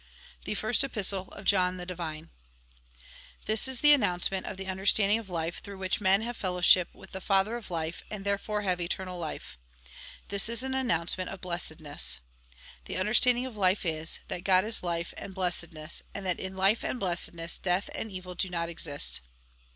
Tlie First Epistle of John the Divine. This is the announcement of the understanding of life through which men have fellowship with the Father of life, and therefore have eternal life. This is an announcement of blessedness. The understanding of life is, that God is life and blessedness, and that in life and blessedness, death and evil do not exist.